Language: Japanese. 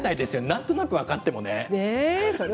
なんとなく分かってもね。